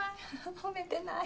褒めてない。